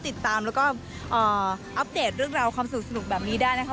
ติดตามแล้วก็อัปเดตเรื่องราวความสนุกแบบนี้ได้นะคะ